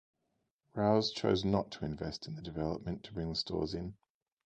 Rouse chose not to invest in the development to bring the stores in.